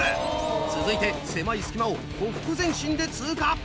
続いて狭い隙間をほふく前進で通過。